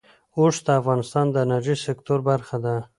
اوښ د افغانستان د انرژۍ د سکتور برخه ده.